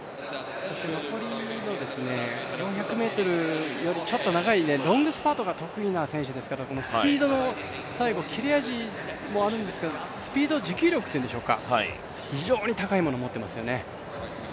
残りの４００ｍよりちょっと長い、ロングスパートが得意な選手ですから、スピードの最後、切れ味もあるんですけど、スピード、持久力というんでしょうか、非常に高いものをもっていますよね。